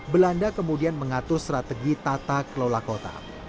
belanda kemudian mengatur strategi tata kelola kota